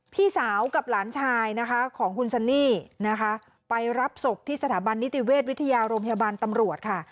พี่สาวกับหลานชายนะคะของคุณซันนี่นะคะไปรับศพที่สถาบันนิติเวชวิทยาโรงพยาบาลตำรวจค่ะ